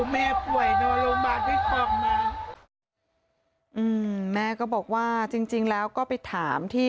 แม่ป่วยนอนโรงพยาบาลวิกออกมาอืมแม่ก็บอกว่าจริงจริงแล้วก็ไปถามที่